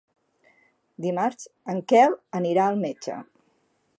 Dimarts en Quer anirà al metge.